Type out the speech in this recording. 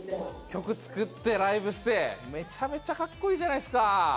曲作ってライブして、めちゃめちゃカッコいいじゃないですか。